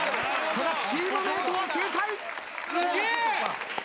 チームメートは正解。